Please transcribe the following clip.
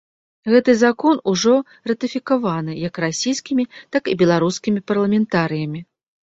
Гэты закон ужо ратыфікаваны як расійскімі, так і беларускімі парламентарыямі.